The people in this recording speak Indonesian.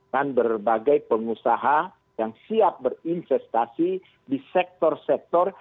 dan berbagai pengusaha yang siap berinvestasi di sektor sektor